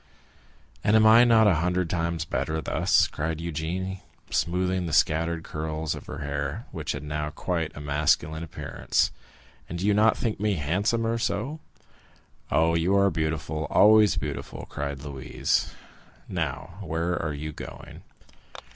"And am I not a hundred times better thus?" cried Eugénie, smoothing the scattered curls of her hair, which had now quite a masculine appearance; "and do you not think me handsomer so?" "Oh, you are beautiful—always beautiful!" cried Louise. "Now, where are you going?"